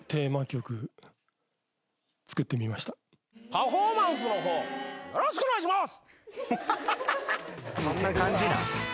パフォーマンスの方よろしくお願いします。